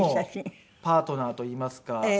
パートナーといいますか。